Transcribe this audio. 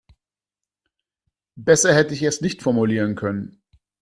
Besser hätte ich es nicht formulieren können.